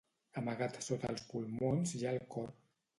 Amagat sota els pulmons hi ha el cor.